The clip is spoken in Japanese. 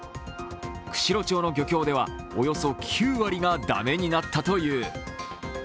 釧路町の漁協ではおよそ９割が駄目になったという。